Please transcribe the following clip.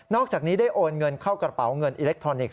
อกจากนี้ได้โอนเงินเข้ากระเป๋าเงินอิเล็กทรอนิกส